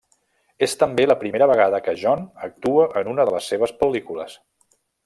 És també la primera vegada que John actua en una de les seves pel·lícules.